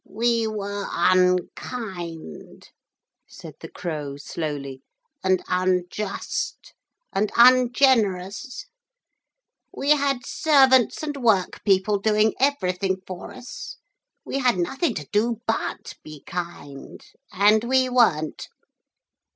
'We were unkind,' said the Crow slowly, 'and unjust, and ungenerous. We had servants and workpeople doing everything for us; we had nothing to do but be kind. And we weren't.'